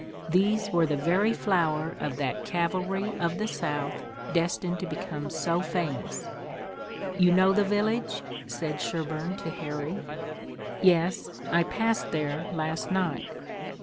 These were the very flower of that cavalry of the South destined to become so famous. "You know the village?" said Sherburne to Harry. "Yes, I passed there last night."